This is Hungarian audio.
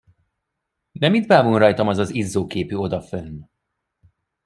De mit bámul rajtam az az izzó képű odafönn?